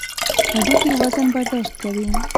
هډوکي وزن برداشت کوي.